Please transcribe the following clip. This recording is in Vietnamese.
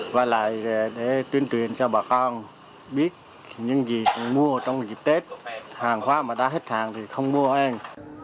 và lại để tuyên truyền cho bà con biết những gì mua trong dịp tết hàng hóa mà đã hết hàng thì không mua hoang